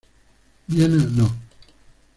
Vienna No.